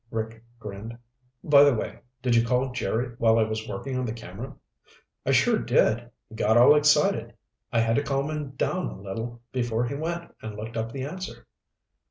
Rick grinned. "By the way, did you call Jerry while I was working on the camera?" "I sure did. He got all excited. I had to calm him down a little before he went and looked up the answer."